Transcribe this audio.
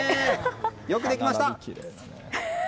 よくできました。